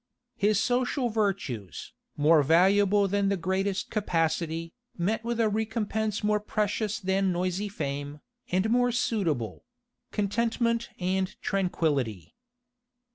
His social virtues, more valuable than the greatest capacity, met with a recompense more precious than noisy fame, and more suitable contentment and tranquillity.